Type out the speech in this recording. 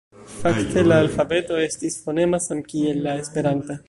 Fakte la alfabeto estis fonema, samkiel la esperanta.